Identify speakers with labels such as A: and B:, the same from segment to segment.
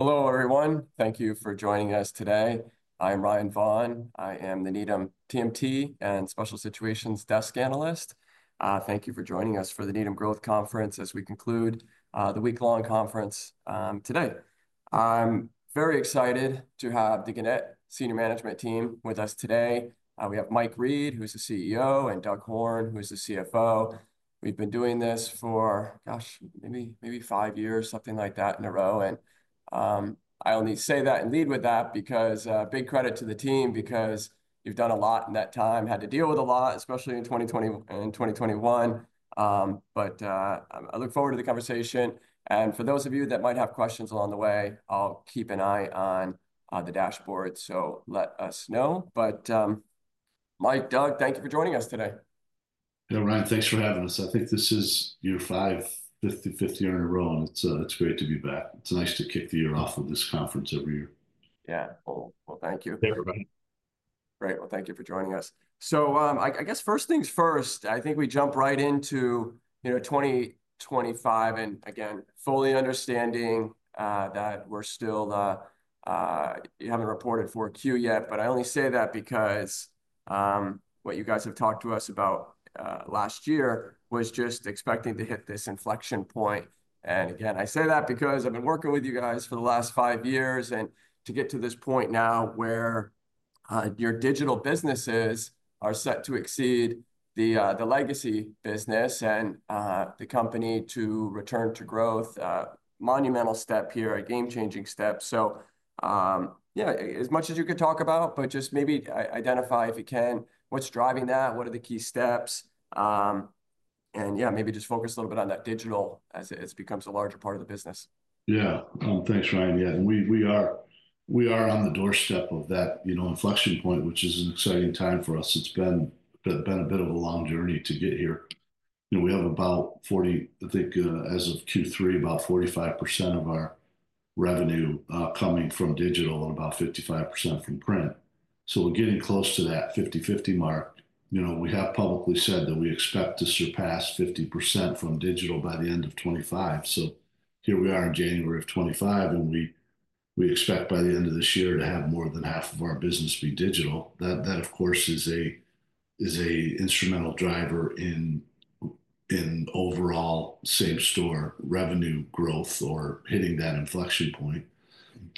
A: Hello, everyone. Thank you for joining us today. I'm Ryan Vaughan. I am the Needham TMT and Special Situations Desk Analyst. Thank you for joining us for the Needham Growth Conference as we conclude the week-long conference today. I'm very excited to have the Gannett Senior Management Team with us today. We have Michael Reed, who's the CEO, and Douglas Horn, who's the CFO. We've been doing this for, gosh, maybe five years, something like that in a row. And I'll only say that and lead with that because big credit to the team because you've done a lot in that time, had to deal with a lot, especially in 2020 and 2021. But I look forward to the conversation. And for those of you that might have questions along the way, I'll keep an eye on the dashboard. So let us know. But Michael, Doug, thank you for joining us today.
B: Ryan, thanks for having us. I think this is year five, fifth year in a row, and it's great to be back. It's nice to kick the year off of this conference every year.
A: Well, thank you.
C: Thank you, everybody.
A: Thank you for joining us. I guess first things first. I think we jump right into 2025, and again, fully understanding that we still haven't reported for Q yet, but I only say that because what you guys have talked to us about last year was just expecting to hit this inflection point, and again, I say that because I've been working with you guys for the last five years and to get to this point now where your digital businesses are set to exceed the legacy business and the company to return to growth, monumental step here, a game-changing step, as much as you could talk about, but just maybe identify if you can what's driving that, what are the key steps, and maybe just focus a little bit on that digital as it becomes a larger part of the business.
B: Thanks, Ryan. And we are on the doorstep of that inflection point, which is an exciting time for us. It's been a bit of a long journey to get here. We have about 40, I think as of Q3, about 45% of our revenue coming from digital and about 55% from print. So we're getting close to that 50/50 mark. We have publicly said that we expect to surpass 50% from digital by the end of 2025. So here we are in January of 2025, and we expect by the end of this year to have more than half of our business be digital. That, of course, is an instrumental driver in overall same-store revenue growth or hitting that inflection point.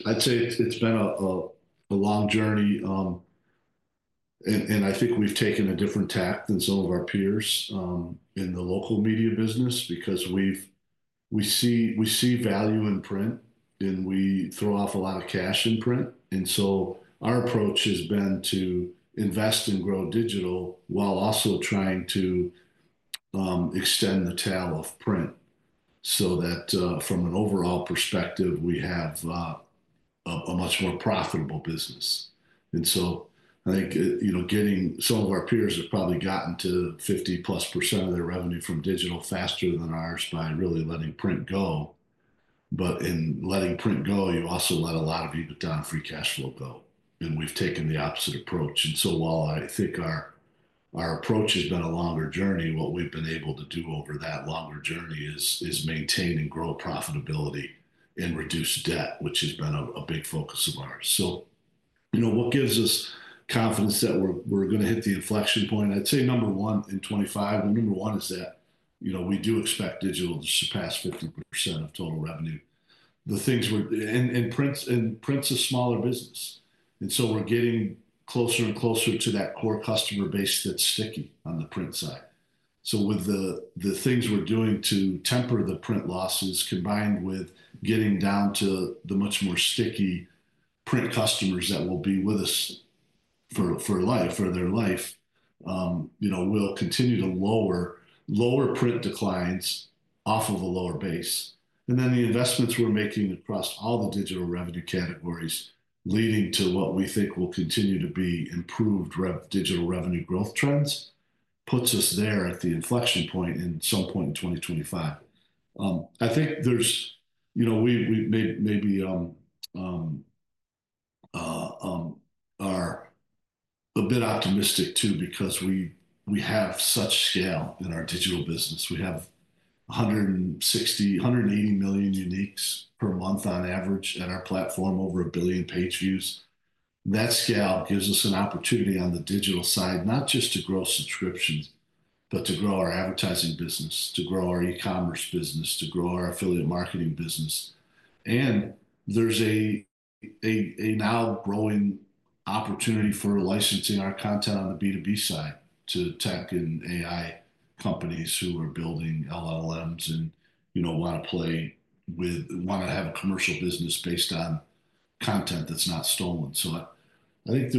B: I'd say it's been a long journey. I think we've taken a different tack than some of our peers in the local media business because we see value in print, and we throw off a lot of cash in print. Our approach has been to invest and grow digital while also trying to extend the tail of print so that from an overall perspective, we have a much more profitable business. I think some of our peers have probably gotten to 50+% of their revenue from digital faster than ours by really letting print go. But in letting print go, you also let a lot of your free cash flow go. We've taken the opposite approach. And so while I think our approach has been a longer journey, what we've been able to do over that longer journey is maintain and grow profitability and reduce debt, which has been a big focus of ours. So what gives us confidence that we're going to hit the inflection point? I'd say number one in 2025, number one is that we do expect digital to surpass 50% of total revenue. And print's a smaller business. And so we're getting closer and closer to that core customer base that's sticky on the print side. So with the things we're doing to temper the print losses combined with getting down to the much more sticky print customers that will be with us for life or their life, we'll continue to lower print declines off of a lower base. And then the investments we're making across all the digital revenue categories leading to what we think will continue to be improved digital revenue growth trends puts us there at the inflection point in some point in 2025. I think we may be a bit optimistic too because we have such scale in our digital business. We have 180 million uniques per month on average at our platform, over a billion page views. That scale gives us an opportunity on the digital side, not just to grow subscriptions, but to grow our advertising business, to grow our e-commerce business, to grow our affiliate marketing business. And there's a now growing opportunity for licensing our content on the B2B side to tech and AI companies who are building LLMs and want to play with, want to have a commercial business based on content that's not stolen. So I think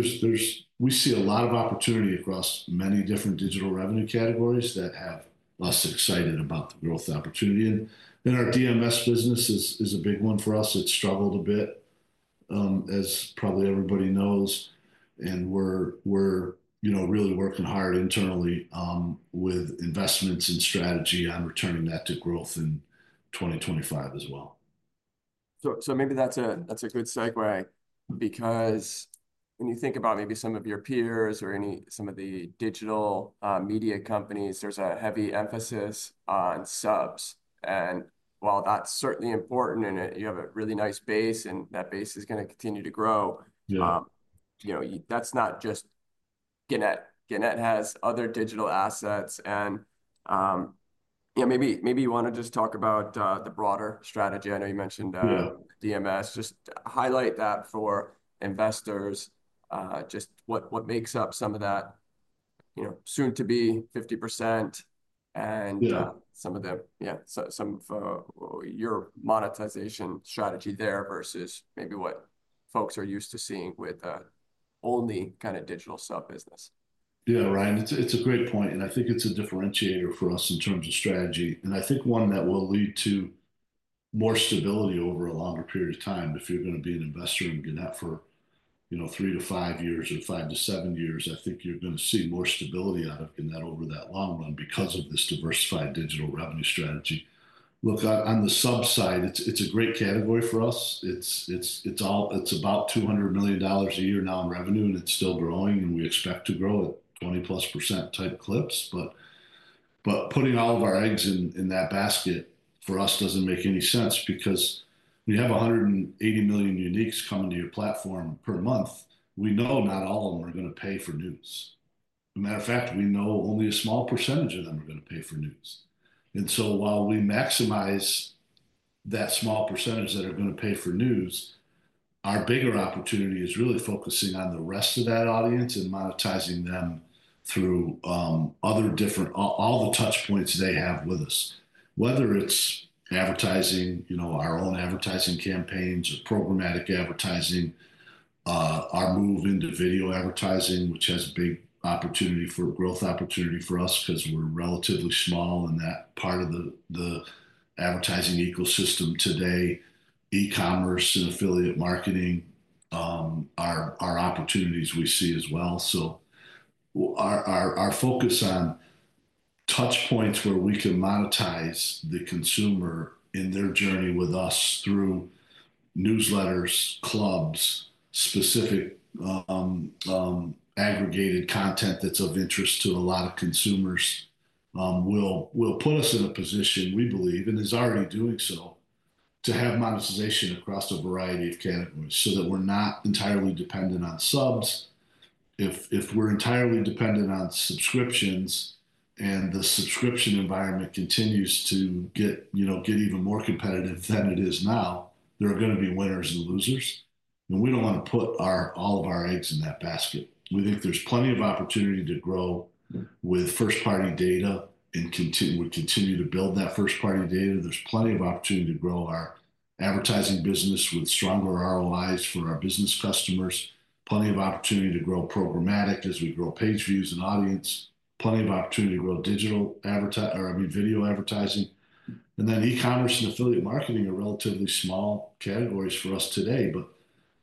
B: we see a lot of opportunity across many different digital revenue categories that have us excited about the growth opportunity. And then our DMS business is a big one for us. It's struggled a bit, as probably everybody knows. And we're really working hard internally with investments and strategy on returning that to growth in 2025 as well.
A: So, maybe that's a good segue because when you think about maybe some of your peers or some of the digital media companies, there's a heavy emphasis on subs. And while that's certainly important and you have a really nice base and that base is going to continue to grow, that's not just Gannett. Gannett has other digital assets. And maybe you want to just talk about the broader strategy. I know you mentioned DMS. Just highlight that for investors, just what makes up some of that soon-to-be 50% and some of your monetization strategy there versus maybe what folks are used to seeing with only kind of digital sub business.
B: Ryan, it's a great point, and I think it's a differentiator for us in terms of strategy, and I think one that will lead to more stability over a longer period of time. If you're going to be an investor in Gannett for three to five years or five to seven years, I think you're going to see more stability out of Gannett over that long run because of this diversified digital revenue strategy. Look, on the sub side, it's a great category for us. It's about $200 million a year now in revenue, and it's still growing, and we expect to grow at 20-plus% type clips, but putting all of our eggs in that basket for us doesn't make any sense because when you have 180 million uniques coming to your platform per month, we know not all of them are going to pay for news. As a matter of fact, we know only a small percentage of them are going to pay for news. And so while we maximize that small percentage that are going to pay for news, our bigger opportunity is really focusing on the rest of that audience and monetizing them through other different all the touchpoints they have with us, whether it's advertising, our own advertising campaigns or programmatic advertising, our move into video advertising, which has a big opportunity for growth for us because we're relatively small in that part of the advertising ecosystem today, e-commerce and affiliate marketing, our opportunities we see as well. So our focus on touchpoints where we can monetize the consumer in their journey with us through newsletters, clubs, specific aggregated content that's of interest to a lot of consumers will put us in a position, we believe, and is already doing so, to have monetization across a variety of categories so that we're not entirely dependent on subs. If we're entirely dependent on subscriptions and the subscription environment continues to get even more competitive than it is now, there are going to be winners and losers. And we don't want to put all of our eggs in that basket. We think there's plenty of opportunity to grow with first-party data and would continue to build that first-party data. There's plenty of opportunity to grow our advertising business with stronger ROIs for our business customers, plenty of opportunity to grow programmatic as we grow page views and audience, plenty of opportunity to grow digital advertising, or I mean, video advertising and then e-commerce and affiliate marketing are relatively small categories for us today, but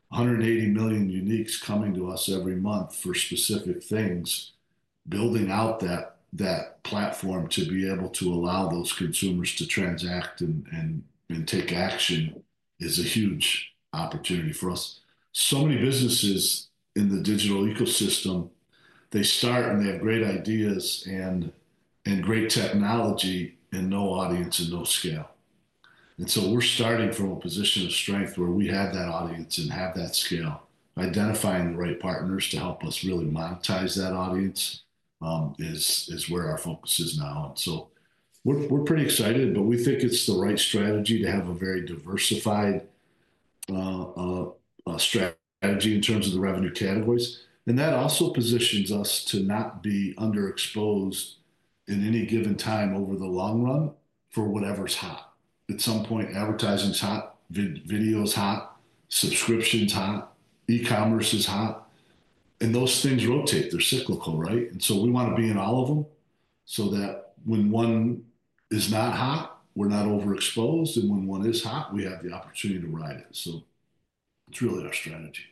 B: 180 million uniques coming to us every month for specific things, building out that platform to be able to allow those consumers to transact and take action is a huge opportunity for us, so many businesses in the digital ecosystem, they start and they have great ideas and great technology and no audience and no scale, and so we're starting from a position of strength where we have that audience and have that scale. Identifying the right partners to help us really monetize that audience is where our focus is now. And so we're pretty excited, but we think it's the right strategy to have a very diversified strategy in terms of the revenue categories. And that also positions us to not be underexposed in any given time over the long run for whatever's hot. At some point, advertising's hot, video's hot, subscriptions' hot, e-commerce is hot. And those things rotate. They're cyclical, right? And so we want to be in all of them so that when one is not hot, we're not overexposed. And when one is hot, we have the opportunity to ride it. So it's really our strategy.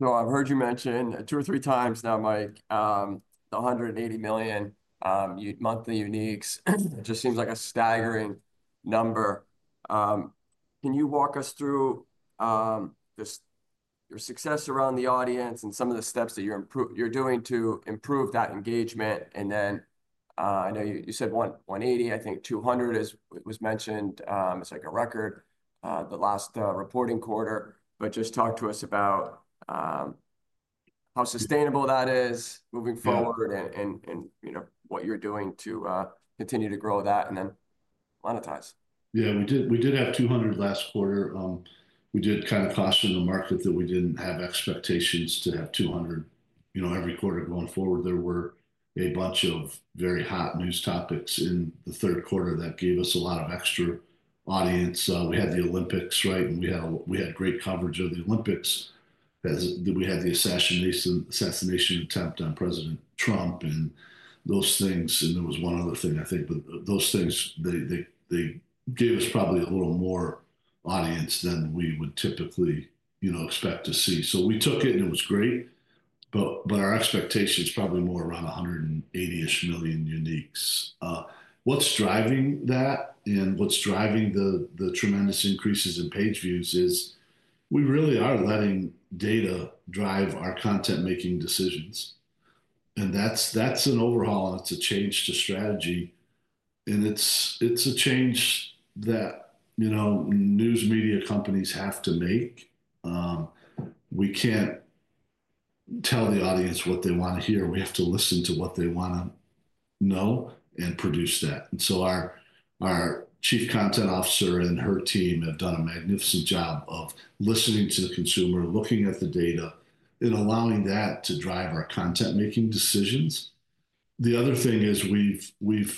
A: So I've heard you mention two or three times now, Michael, the 180 million monthly uniques. It just seems like a staggering number. Can you walk us through your success around the audience and some of the steps that you're doing to improve that engagement? And then I know you said 180, I think 200 was mentioned. It's like a record the last reporting quarter. But just talk to us about how sustainable that is moving forward and what you're doing to continue to grow that and then monetize.
B: We did have 200 last quarter. We did kind of caution the market that we didn't have expectations to have 200 every quarter going forward. There were a bunch of very hot news topics in the Q3 that gave us a lot of extra audience. We had the Olympics, right, and we had great coverage of the Olympics. We had the assassination attempt on President Trump and those things, and there was one other thing, I think, but those things, they gave us probably a little more audience than we would typically expect to see, so we took it and it was great, but our expectation is probably more around 180-ish million uniques. What's driving that and what's driving the tremendous increases in page views is we really are letting data drive our content-making decisions, and that's an overhaul. It's a change to strategy. It's a change that news media companies have to make. We can't tell the audience what they want to hear. We have to listen to what they want to know and produce that. Our Chief Content Officer and her team have done a magnificent job of listening to the consumer, looking at the data, and allowing that to drive our content-making decisions. The other thing is we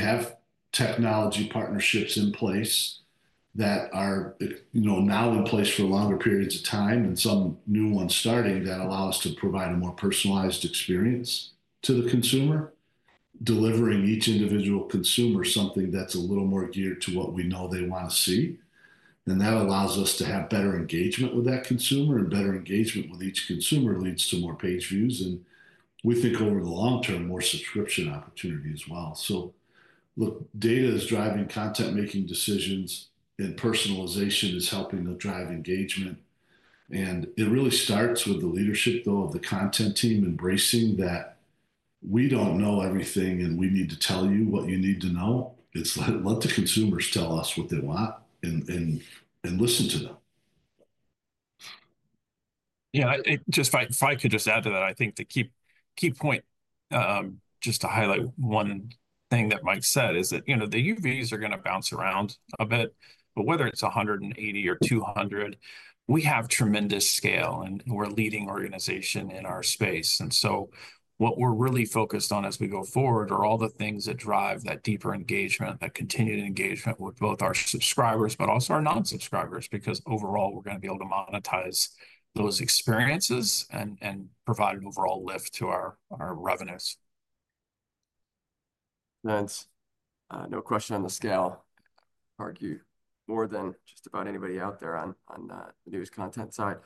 B: have technology partnerships in place that are now in place for longer periods of time and some new ones starting that allow us to provide a more personalized experience to the consumer, delivering each individual consumer something that's a little more geared to what we know they want to see. That allows us to have better engagement with that consumer. Better engagement with each consumer leads to more page views. And we think over the long term, more subscription opportunity as well. So look, data is driving content-making decisions, and personalization is helping to drive engagement. And it really starts with the leadership, though, of the content team embracing that we don't know everything and we need to tell you what you need to know. Let the consumers tell us what they want and listen to them.
C: Just if I could just add to that, I think the key point, just to highlight one thing that Michael sad, is that the UVs are going to bounce around a bit. But whether it's 180 or 200, we have tremendous scale and we're a leading organization in our space. And so what we're really focused on as we go forward are all the things that drive that deeper engagement, that continued engagement with both our subscribers, but also our non-subscribers, because overall, we're going to be able to monetize those experiences and provide an overall lift to our revenues.
A: Vince, no question on the scale. I'd argue more than just about anybody out there on the news content side.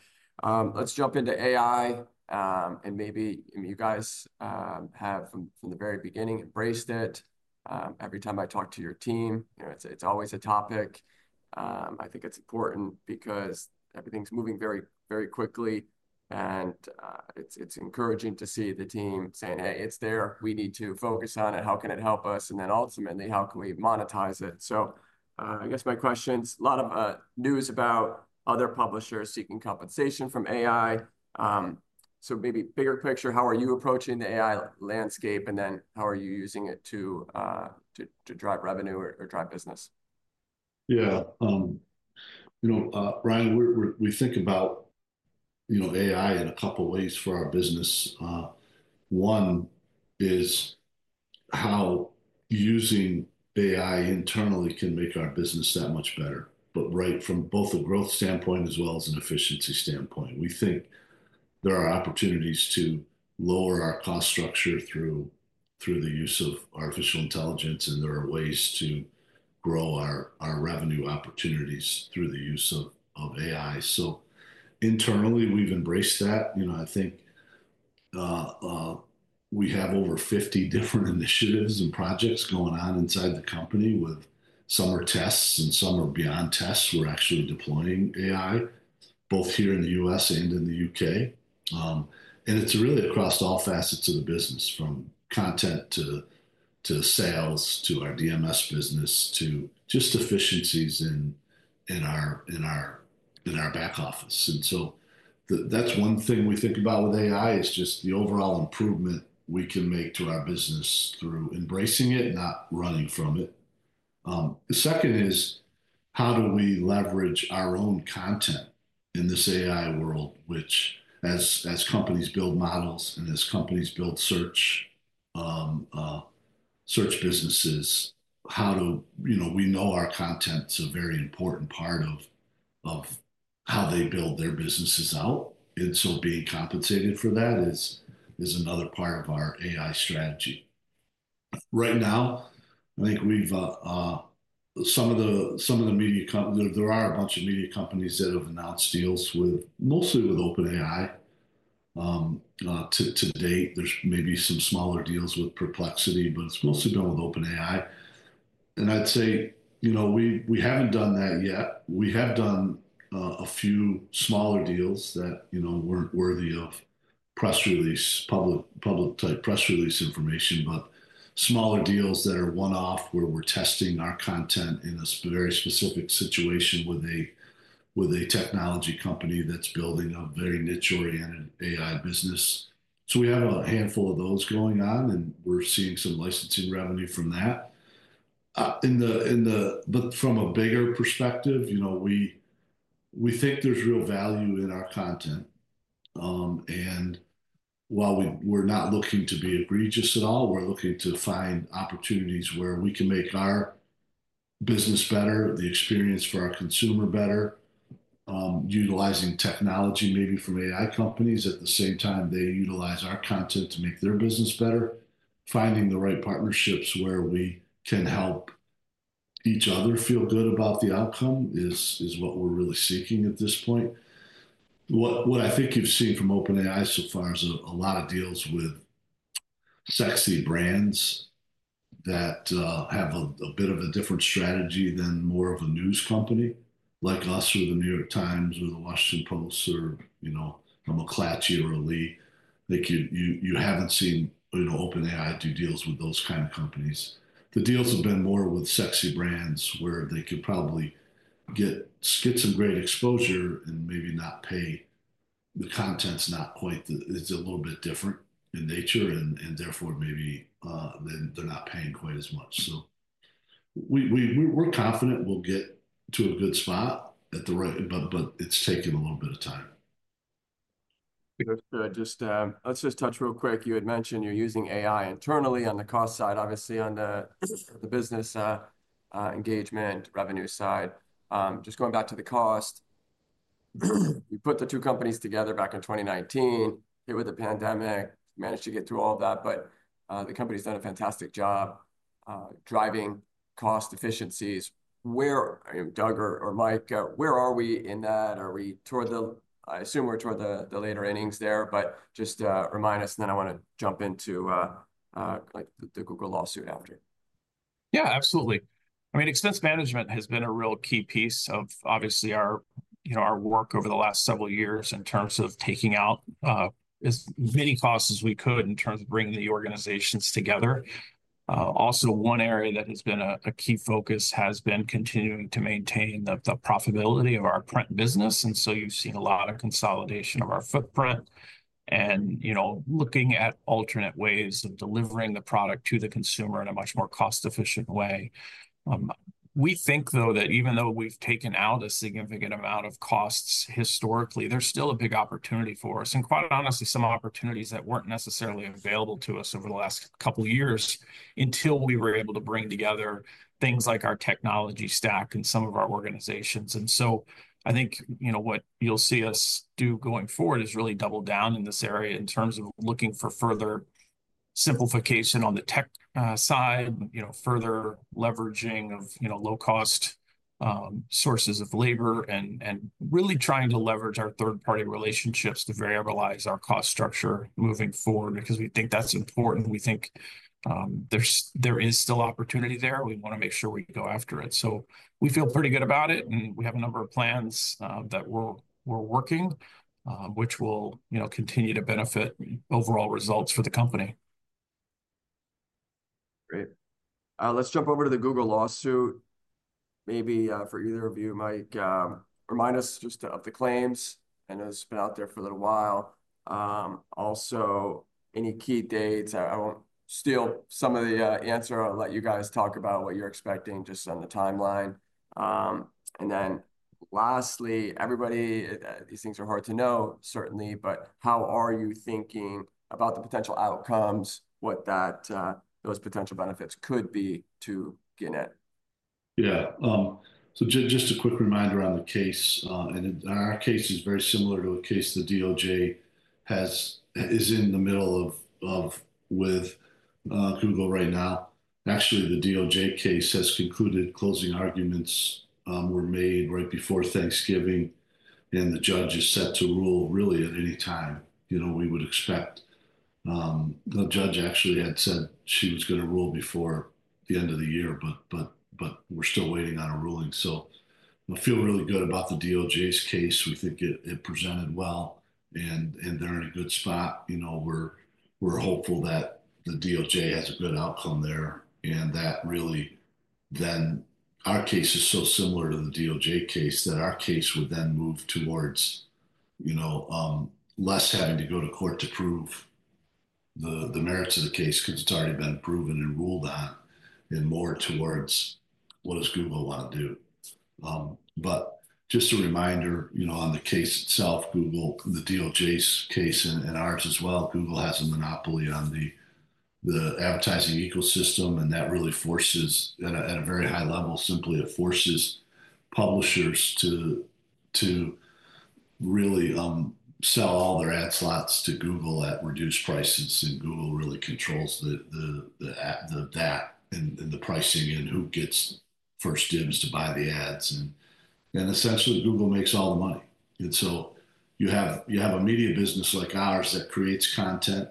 A: Let's jump into AI, and maybe you guys have, from the very beginning, embraced it. Every time I talk to your team, it's always a topic. I think it's important because everything's moving very, very quickly, and it's encouraging to see the team saying, "Hey, it's there. We need to focus on it. How can it help us?" And then ultimately, how can we monetize it. So I guess my question's a lot of news about other publishers seeking compensation from AI. So maybe bigger picture, how are you approaching the AI landscape? And then how are you using it to drive revenue or drive business?
B: Ryan, we think about AI in a couple of ways for our business. One is how using AI internally can make our business that much better, but right from both a growth standpoint as well as an efficiency standpoint. We think there are opportunities to lower our cost structure through the use of artificial intelligence, and there are ways to grow our revenue opportunities through the use of AI. So internally, we've embraced that. I think we have over 50 different initiatives and projects going on inside the company with some are tests and some are beyond tests. We're actually deploying AI both here in the U.S. and in the U.K., and it's really across all facets of the business, from content to sales to our DMS business to just efficiencies in our back office. And so that's one thing we think about with AI is just the overall improvement we can make to our business through embracing it, not running from it. The second is how do we leverage our own content in this AI world, which as companies build models and as companies build search businesses, how do we know our content is a very important part of how they build their businesses out? And so being compensated for that is another part of our AI strategy. Right now, I think some of the media companies, there are a bunch of media companies that have announced deals mostly with OpenAI. To date, there's maybe some smaller deals with Perplexity, but it's mostly been with OpenAI. And I'd say we haven't done that yet. We have done a few smaller deals that weren't worthy of public-type press release information, but smaller deals that are one-off where we're testing our content in a very specific situation with a technology company that's building a very niche-oriented AI business, so we have a handful of those going on, and we're seeing some licensing revenue from that, but from a bigger perspective, we think there's real value in our content, and while we're not looking to be egregious at all, we're looking to find opportunities where we can make our business better, the experience for our consumer better, utilizing technology maybe from AI companies at the same time they utilize our content to make their business better. Finding the right partnerships where we can help each other feel good about the outcome is what we're really seeking at this point. What I think you've seen from OpenAI so far is a lot of deals with sexy brands that have a bit of a different strategy than more of a news company like us or The New York Times or The Washington Post or McClatchy or Lee. You haven't seen OpenAI do deals with those kinds of companies. The deals have been more with sexy brands where they could probably get some great exposure and maybe not pay. The content's not quite. It's a little bit different in nature, and therefore, maybe they're not paying quite as much. So we're confident we'll get to a good spot, but it's taken a little bit of time.
A: Let's just touch real quick. You had mentioned you're using AI internally on the cost side, obviously, on the business engagement revenue side. Just going back to the cost, you put the two companies together back in 2019. Hit with the pandemic, managed to get through all of that, but the company's done a fantastic job driving cost efficiencies. Doug or Michael, where are we in that? Are we toward the I assume we're toward the later innings there, but just remind us, and then I want to jump into the Google lawsuit after.
C: Absolutely. I mean, expense management has been a real key piece of, obviously, our work over the last several years in terms of taking out as many costs as we could in terms of bringing the organizations together. Also, one area that has been a key focus has been continuing to maintain the profitability of our print business. And so you've seen a lot of consolidation of our footprint and looking at alternate ways of delivering the product to the consumer in a much more cost-efficient way. We think, though, that even though we've taken out a significant amount of costs historically, there's still a big opportunity for us. And quite honestly, some opportunities that weren't necessarily available to us over the last couple of years until we were able to bring together things like our technology stack in some of our organizations. And so I think what you'll see us do going forward is really double down in this area in terms of looking for further simplification on the tech side, further leveraging of low-cost sources of labor, and really trying to leverage our third-party relationships to variabilize our cost structure moving forward because we think that's important. We think there is still opportunity there. We want to make sure we go after it. So we feel pretty good about it, and we have a number of plans that we're working, which will continue to benefit overall results for the company.
A: Great. Let's jump over to the Google lawsuit. Maybe for either of you, Michael, remind us just of the claims. I know it's been out there for a little while. Also, any key dates? I won't steal some of the answer. I'll let you guys talk about what you're expecting just on the timeline. And then lastly, everybody, these things are hard to know, certainly, but how are you thinking about the potential outcomes, what those potential benefits could be to Gannett?
B: So just a quick reminder on the case, and our case is very similar to a case the DOJ is in the middle of with Google right now. Actually, the DOJ case has concluded. Closing arguments were made right before Thanksgiving, and the judge is set to rule really at any time. We would expect the judge actually had said she was going to rule before the end of the year, but we're still waiting on a ruling, so I feel really good about the DOJ's case. We think it presented well, and they're in a good spot. We're hopeful that the DOJ has a good outcome there. And that really then our case is so similar to the DOJ case that our case would then move towards less having to go to court to prove the merits of the case because it's already been proven and ruled on, and more towards what does Google want to do. But just a reminder on the case itself. Google, the DOJ's case and ours as well, Google has a monopoly on the advertising ecosystem, and that really forces at a very high level, simply it forces publishers to really sell all their ad slots to Google at reduced prices. And Google really controls that and the pricing and who gets first dibs to buy the ads. And essentially, Google makes all the money. And so you have a media business like ours that creates content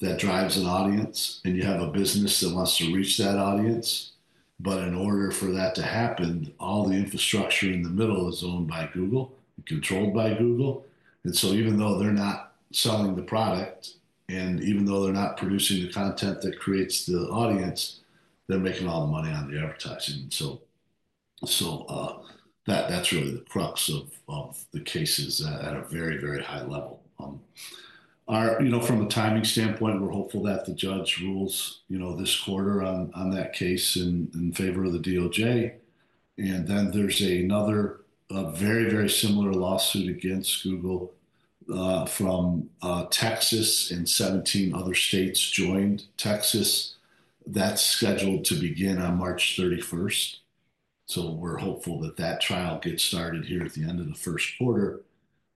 B: that drives an audience, and you have a business that wants to reach that audience. But in order for that to happen, all the infrastructure in the middle is owned by Google and controlled by Google. And so even though they're not selling the product and even though they're not producing the content that creates the audience, they're making all the money on the advertising. So that's really the crux of the cases at a very, very high level. From a timing standpoint, we're hopeful that the judge rules this quarter on that case in favor of the DOJ. And then there's another very, very similar lawsuit against Google from Texas and 17 other states joined Texas. That's scheduled to begin on March 31st. So we're hopeful that that trial gets started here at the end of the Q1.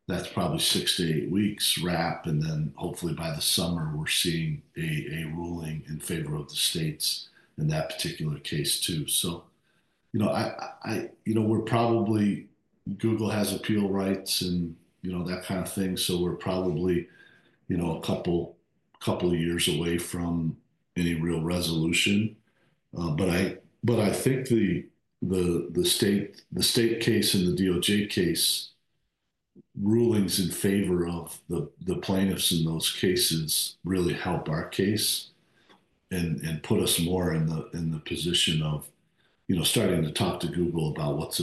B: That's probably six to eight weeks wrap. And then, hopefully by the summer, we're seeing a ruling in favor of the states in that particular case too. So, we're probably Google has appeal rights and that kind of thing. So, we're probably a couple of years away from any real resolution. But I think the state case and the DOJ case rulings in favor of the plaintiffs in those cases really help our case and put us more in the position of starting to talk to Google about what's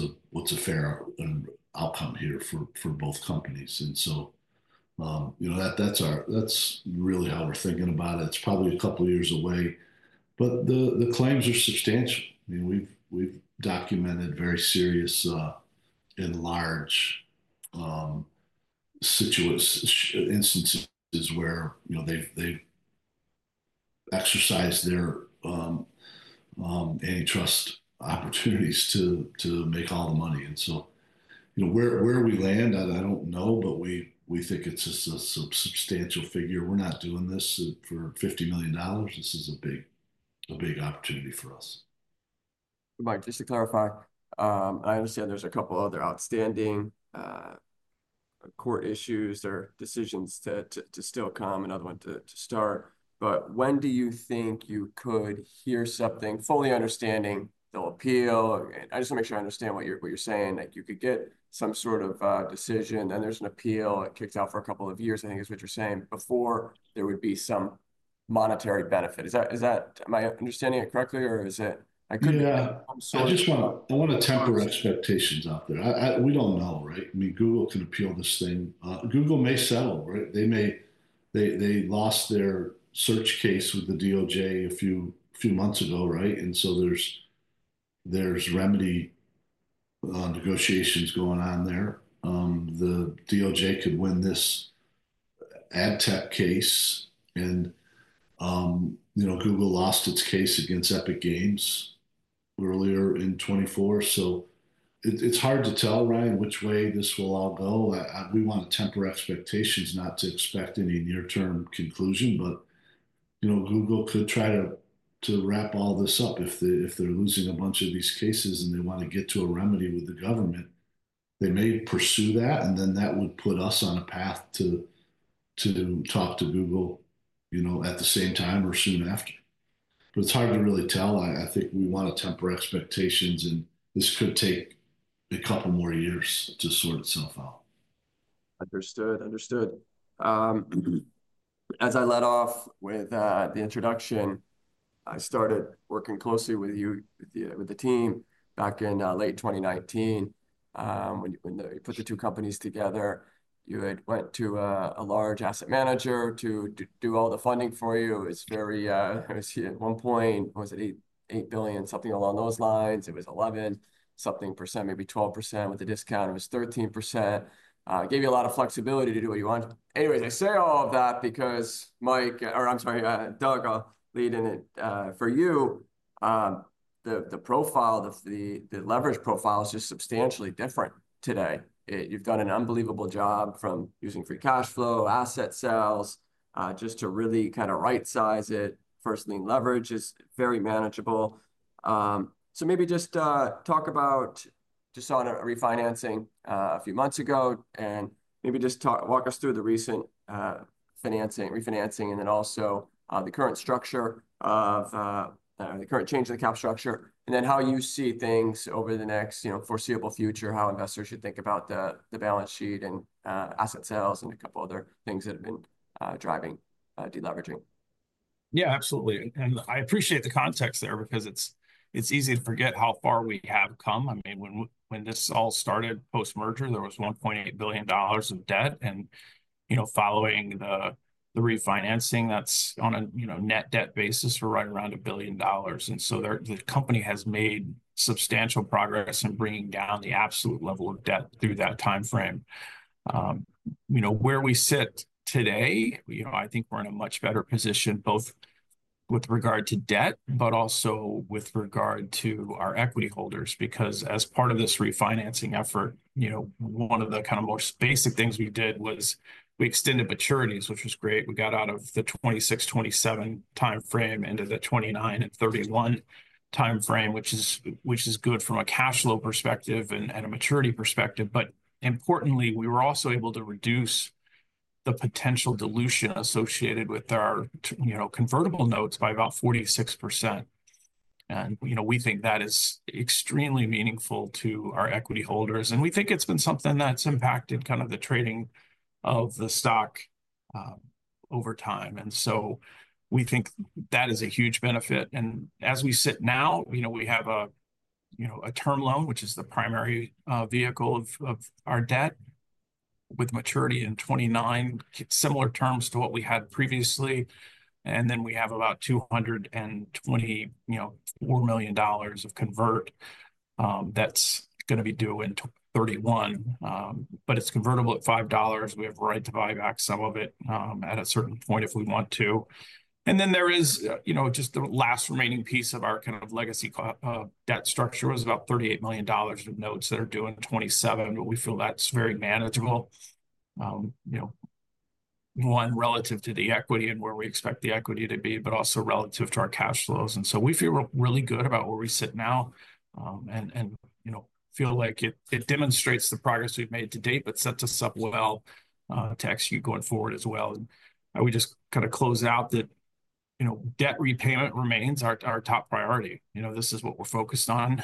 B: a fair outcome here for both companies. And so, that's really how we're thinking about it. It's probably a couple of years away, but the claims are substantial. I mean, we've documented very serious and large instances where they've exercised their antitrust opportunities to make all the money. And so, where we land, I don't know, but we think it's a substantial figure. We're not doing this for $50 million. This is a big opportunity for us.
A: Michael, just to clarify, I understand there's a couple of other outstanding court issues or decisions to still come and other ones to start. But when do you think you could hear something, fully understanding they'll appeal? I just want to make sure I understand what you're saying. You could get some sort of decision, then there's an appeal. It kicks out for a couple of years, I think is what you're saying, before there would be some monetary benefit. Am I understanding it correctly, or is it I couldn't hear some sort of.
B: I want to temper expectations out there. We don't know, right? I mean, Google can appeal this thing. Google may settle, right? They lost their search case with the DOJ a few months ago, right, and so there's remedy negotiations going on there. The DOJ could win this ad tech case, and Google lost its case against Epic Games earlier in 2024, so it's hard to tell, Ryan, which way this will all go. We want to temper expectations, not to expect any near-term conclusion, but Google could try to wrap all this up. If they're losing a bunch of these cases and they want to get to a remedy with the government, they may pursue that, and then that would put us on a path to talk to Google at the same time or soon after, but it's hard to really tell. I think we want to temper expectations, and this could take a couple more years to sort itself out.
A: Understood. Understood. As I led off with the introduction, I started working closely with you, with the team, back in late 2019. When you put the two companies together, you had went to a large asset manager to do all the funding for you. It was very, at one point, was it $8 billion, something along those lines? It was 11 something percent, maybe 12%. With the discount, it was 13%. It gave you a lot of flexibility to do what you want. Anyways, I say all of that because Michael or I'm sorry, Doug, I'll lead in it for you. The profile, the leverage profile is just substantially different today. You've done an unbelievable job from using free cash flow, asset sales just to really kind of right-size it. First-lien leverage is very manageable. Maybe just talk about just on refinancing a few months ago and maybe just walk us through the recent refinancing and then also the current structure of the current change in the capital structure and then how you see things over the next foreseeable future, how investors should think about the balance sheet and asset sales and a couple of other things that have been driving deleveraging. Absolutely. And I appreciate the context there because it's easy to forget how far we have come. I mean, when this all started post-merger, there was $1.8 billion of debt. And following the refinancing, that's on a net debt basis for right around $1 billion. And so the company has made substantial progress in bringing down the absolute level of debt through that timeframe. Where we sit today, I think we're in a much better position both with regard to debt, but also with regard to our equity holders because as part of this refinancing effort, one of the kind of most basic things we did was we extended maturities, which was great. We got out of the 2026, 2027 timeframe into the 2029 and 2031 timeframe, which is good from a cash flow perspective and a maturity perspective. But importantly, we were also able to reduce the potential dilution associated with our convertible notes by about 46%. And we think that is extremely meaningful to our equity holders. And we think it's been something that's impacted kind of the trading of the stock over time. And so we think that is a huge benefit. And as we sit now, we have a term loan, which is the primary vehicle of our debt with maturity in 2029, similar terms to what we had previously. And then we have about $224 million of convert that's going to be due in 2031. But it's convertible at $5. We have a right to buy back some of it at a certain point if we want to. And then there is just the last remaining piece of our kind of legacy debt structure was about $38 million of notes that are due in 2027, but we feel that's very manageable, one relative to the equity and where we expect the equity to be, but also relative to our cash flows. And so we feel really good about where we sit now and feel like it demonstrates the progress we've made to date, but sets us up well to execute going forward as well. And I would just kind of close out that debt repayment remains our top priority. This is what we're focused on,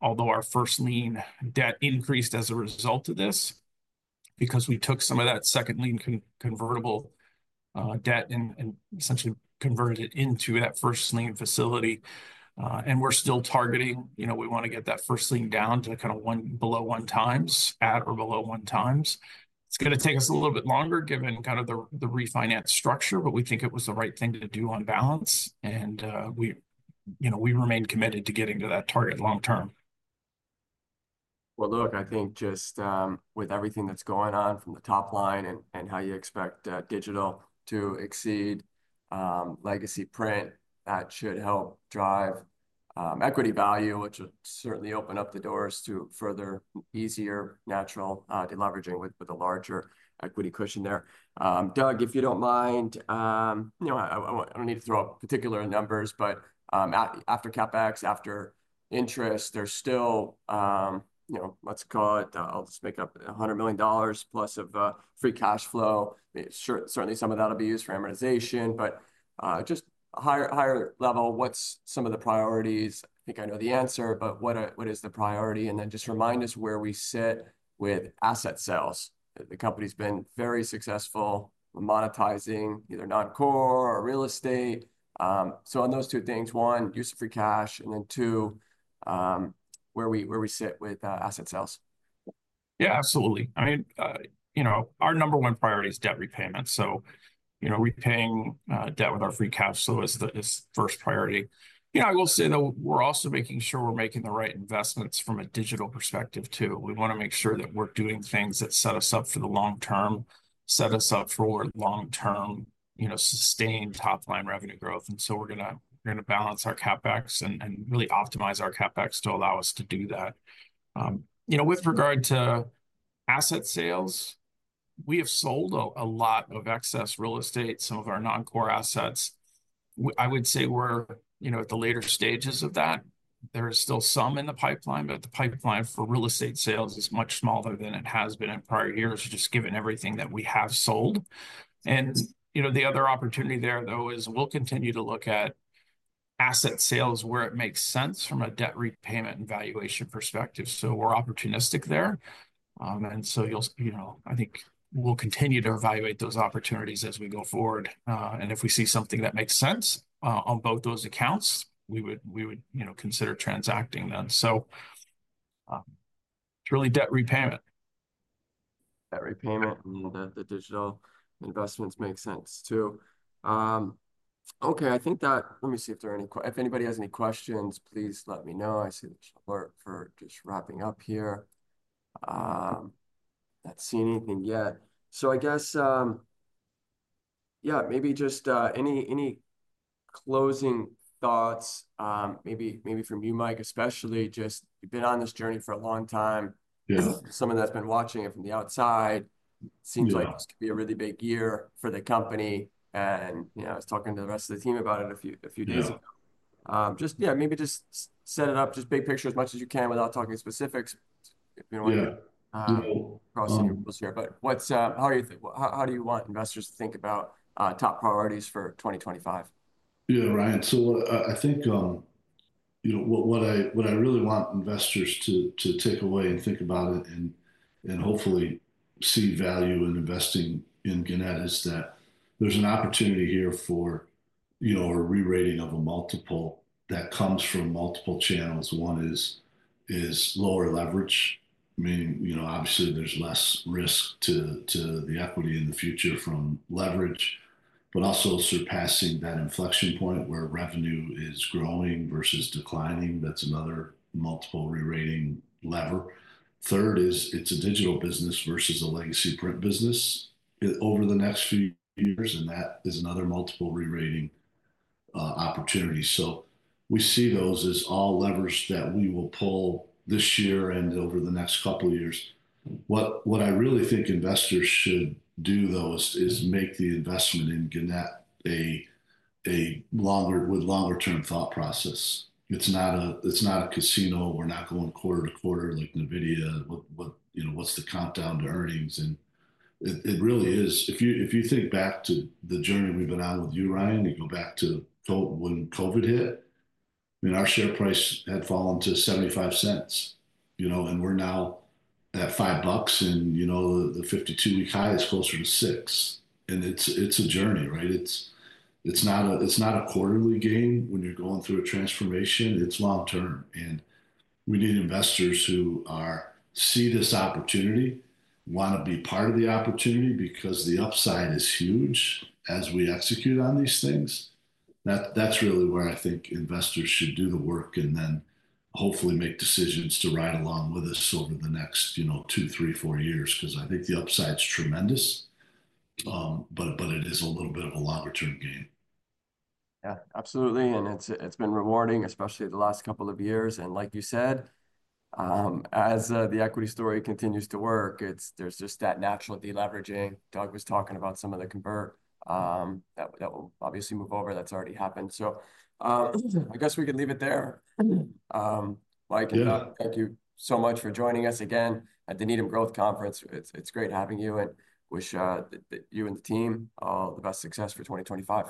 A: although our first-lien debt increased as a result of this because we took some of that second-lien convertible debt and essentially converted it into that first-lien facility. And we're still targeting we want to get that first-lien down to kind of below one times at or below one times. It's going to take us a little bit longer given kind of the refinance structure, but we think it was the right thing to do on balance. And we remain committed to getting to that target long term. Look, I think just with everything that's going on from the top line and how you expect digital to exceed legacy print, that should help drive equity value, which will certainly open up the doors to further, easier, natural deleveraging with a larger equity cushion there. Doug, if you don't mind, I don't need to throw out particular numbers, but after CapEx, after interest, there's still, let's call it, I'll just make up $100 million plus of free cash flow. Certainly, some of that will be used for amortization, but just higher level, what's some of the priorities? I think I know the answer, but what is the priority? Then just remind us where we sit with asset sales. The company's been very successful monetizing either non-core or real estate. So on those two things, one, use of free cash, and then two, where we sit with asset sales.
C: Absolutely. I mean, our number one priority is debt repayment. So repaying debt with our free cash flow is the first priority. I will say that we're also making sure we're making the right investments from a digital perspective too. We want to make sure that we're doing things that set us up for the long term, set us up for long-term sustained top-line revenue growth. And so we're going to balance our CapEx and really optimize our CapEx to allow us to do that. With regard to asset sales, we have sold a lot of excess real estate, some of our non-core assets. I would say we're at the later stages of that. There is still some in the pipeline, but the pipeline for real estate sales is much smaller than it has been in prior years, just given everything that we have sold. And the other opportunity there, though, is we'll continue to look at asset sales where it makes sense from a debt repayment and valuation perspective. So we're opportunistic there. And so I think we'll continue to evaluate those opportunities as we go forward. And if we see something that makes sense on both those accounts, we would consider transacting them. So it's really debt repayment.
A: Debt repayment and the digital investments make sense too. Okay. I think that let me see if there are any if anybody has any questions, please let me know. I see the chat is just wrapping up here. Not seeing anything yet. So I guess, maybe just any closing thoughts, maybe from you, Michael, especially just you've been on this journey for a long time. Someone that's been watching it from the outside seems like this could be a really big year for the company. I was talking to the rest of the team about it a few days ago. Just maybe just set it up, just big picture as much as you can without talking specifics. If you don't want to cross any rules here. But how do you think how do you want investors to think about top priorities for 2025?
B: Ryan. So I think what I really want investors to take away and think about it and hopefully see value in investing in Gannett is that there's an opportunity here for a re-rating of a multiple that comes from multiple channels. One is lower leverage. I mean, obviously, there's less risk to the equity in the future from leverage, but also surpassing that inflection point where revenue is growing versus declining. That's another multiple re-rating lever. Third is it's a digital business versus a legacy print business over the next few years, and that is another multiple re-rating opportunity. So we see those as all levers that we will pull this year and over the next couple of years. What I really think investors should do, though, is make the investment in Gannett a longer-term thought process. It's not a casino. We're not going quarter to quarter like Nvidia. What's the countdown to earnings? And it really is. If you think back to the journey we've been on with you, Ryan, you go back to when COVID hit, I mean, our share price had fallen to $0.75, and we're now at $5, and the 52-week high is closer to $6. And it's a journey, right? It's not a quarterly gain when you're going through a transformation. It's long-term. And we need investors who see this opportunity, want to be part of the opportunity because the upside is huge as we execute on these things. That's really where I think investors should do the work and then hopefully make decisions to ride along with us over the next two, three, four years because I think the upside is tremendous, but it is a little bit of a longer-term gain.
A: Absolutely. And it's been rewarding, especially the last couple of years. And like you said, as the equity story continues to work, there's just that natural deleveraging. Doug was talking about some of the convert that will obviously move over. That's already happened. So I guess we can leave it there. Michael, Doug, thank you so much for joining us again at the Needham Growth Conference. It's great having you and wish you and the team all the best success for 2025.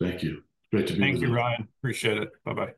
B: Thank you. Great to be with you.
C: Thank you, Ryan. Appreciate it. Bye-bye.